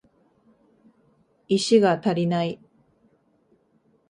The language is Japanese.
石が足りない